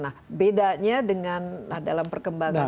nah bedanya dengan dalam perkembangannya ini